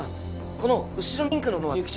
この後ろのピンクのものは何ですか？